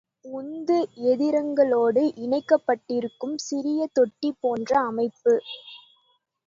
உந்து எந்திரங்களோடு இணைக்கப்பட்டிருக்கும் சிறிய தொட்டி போன்ற அமைப்பு.